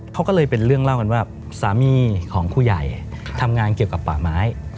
เขาก็เลยเป็นเรื่องเล่ากันว่าสามีของผู้ใหญ่ทำงานเกี่ยวกับป่าไม้